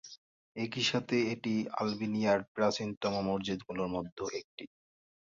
একই সাথে এটি আলবেনিয়ার প্রাচীনতম মসজিদগুলোর মধ্যে একটি।